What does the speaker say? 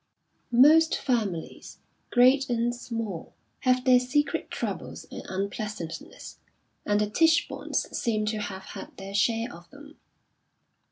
Most families, great and small, have their secret troubles and unpleasantness, and the Tichbornes seem to have had their share of them.